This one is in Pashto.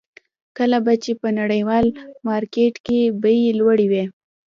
کله به چې په نړیوال مارکېټ کې بیې لوړې وې.